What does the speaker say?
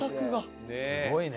すごいね！